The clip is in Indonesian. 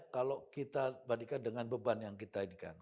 kalau kita bandingkan dengan beban yang kita inginkan